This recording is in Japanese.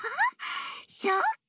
そっか！